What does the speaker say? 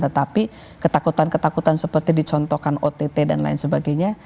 tetapi ketakutan ketakutan seperti dicontohkan ott dan lain sebagainya